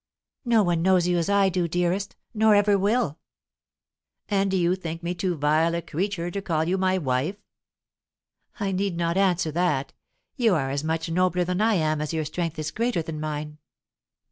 "No one knows you as I do, dearest, nor ever will." "And do you think me too vile a creature to call you my wife?" "I need not answer that. You are as much nobler than I am as your strength is greater than mine."